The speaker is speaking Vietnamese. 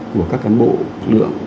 của các cán bộ lượng